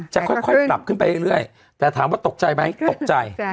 จะค่อยปรับขึ้นไปเรื่อยแต่ถามว่าตกใจไหมตกใจ